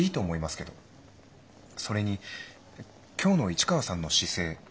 それに今日の市川さんの姿勢